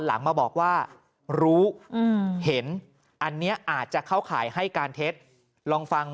หลังมาบอกว่ารู้เห็นอันนี้อาจจะเข้าข่ายให้การเท็จลองฟัง